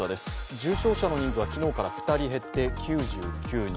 重症者の数は昨日から２人減って９９人。